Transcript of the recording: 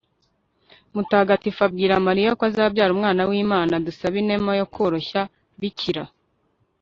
mutagatifu abwira mariya ko azabyara umwana w'imana dusabe inema yo koroshya. bikira